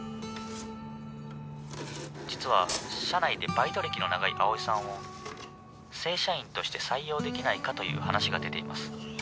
☎実は社内でバイト歴の長い青井さんを正社員として採用できないかという話が出ています。